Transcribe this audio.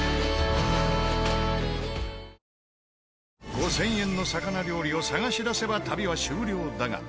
５０００円の魚料理を探し出せば旅は終了だが。